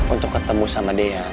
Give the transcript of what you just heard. untuk ketemu sama dea